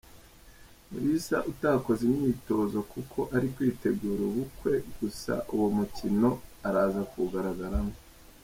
Mulisa utakoze imyitozo kuko ari kwitegura ubukwe gusa uwo mukino araza kuwugaragaramo